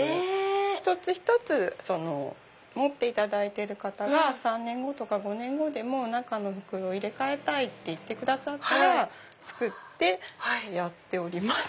一つ一つ持っていただいてる方が３年後とか５年後でも中の袋入れ替えたいって言ってくださったら作ってやっております。